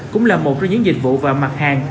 cũng là một trong những dịch vụ và mặt hàng